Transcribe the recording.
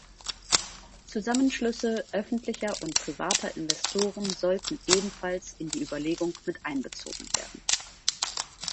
Zusammenschlüsse öffentlicher und privater Investoren sollten ebenfalls in die Überlegungen mit einbezogen werden.